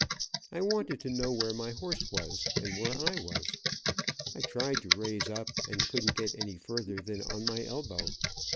I wanted to know where my horse was, and where I was. I tried to raise up and couldn't get any further than on my elbow.